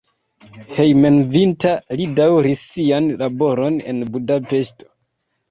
Hejmenveninta li daŭris sian laboron en Budapeŝto.